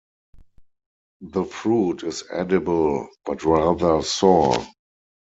The fruit is edible but rather sour.